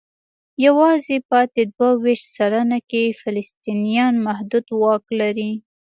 یوازې پاتې دوه ویشت سلنه کې فلسطینیان محدود واک لري.